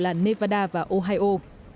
là nevada và ohio